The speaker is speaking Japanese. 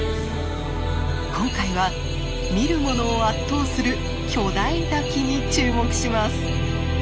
今回は見るものを圧倒する巨大滝に注目します。